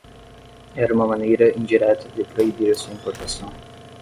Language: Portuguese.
Era uma maneira indireta de proibir sua importação.